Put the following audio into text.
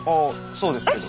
そうですけど。